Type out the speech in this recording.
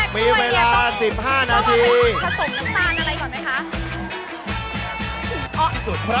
มีเวลา๑๕นาทีผสมน้ำตาลอะไรก่อนไหมคะ